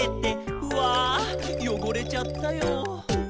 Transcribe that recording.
「うぁよごれちゃったよ」